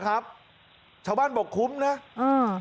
นะครับชาวบ้านบอกคุ้มนะอืม